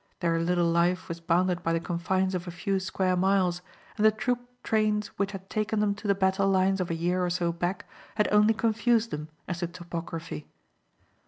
Their little life was bounded by the confines of a few square miles; and the troop trains which had taken them to the battle lines of a year or so back had only confused them as to topography.